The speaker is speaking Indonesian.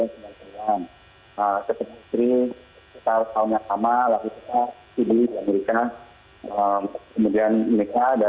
saya kepencetan setelah tahun yang sama lalu kita tidur di amerika kemudian menikah dan sekarang di nasi adua